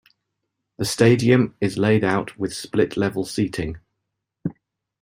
The stadium is laid out with split-level seating.